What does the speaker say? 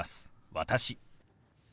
「私」。